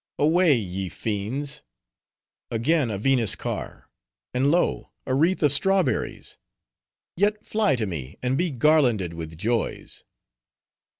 "Away! ye fiends." "Again a Venus car; and lo! a wreath of strawberries!—Yet fly to me, and be garlanded with joys."